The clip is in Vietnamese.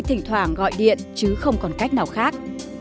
thỉnh thoảng gọi điện chứ không còn cách nào khác